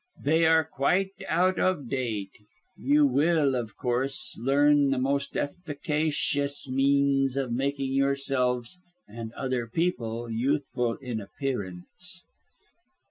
They are quite out of date. You will, of course, learn the most efficacious means of making yourselves and other people youthful in appearance."